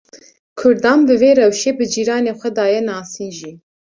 Kurdan bi vê rewşê bi cîranên xwe daye nasîn jî.